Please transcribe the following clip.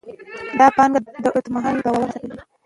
دا پانګه د اوږد مهاله باور رامینځته کوي.